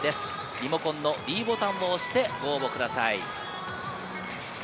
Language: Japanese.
リモコンのｄボタンを押してご応募ください。